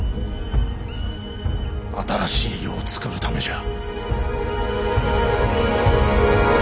新しい世をつくるためじゃ。